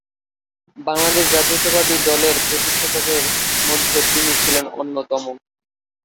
বাংলাদেশ জাতীয়তাবাদী দলের প্রতিষ্ঠাতাদের মধ্যে তিনি ছিলেন অন্যতম।